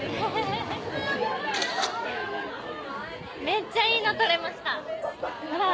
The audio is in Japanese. めっちゃいいの撮れましたほら。